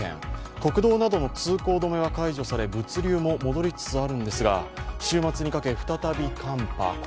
国道などの通行止めは解除され、物流も戻りつつあるのですが、週末にかけ再び寒波。